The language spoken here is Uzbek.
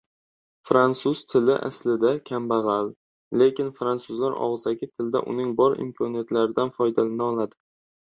Fransuz tili esa aslida kambagʻal, lekin fransuzlar ogʻzaki tilda uning bor imkoniyatidan foydalana oladi